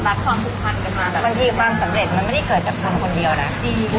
บางทีความสำเร็จมันไม่ได้เกิดจากคนคนเดียวนะ